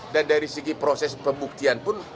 dan dari segi proses pembuktian pun